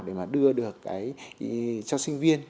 để mà đưa được cái cho sinh viên